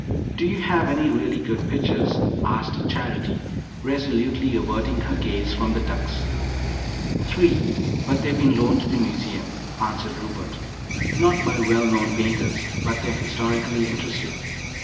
"Do you have any really good pictures?" asked Charity, resolutely averting her gaze from the ducks. "Three, but they've been loaned to the museum," answered Rupert. "Not by well known painters, but they're historically interesting.